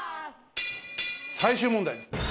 最終問題です。